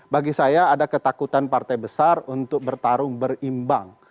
bagi saya ada ketakutan partai besar untuk bertarung berimbang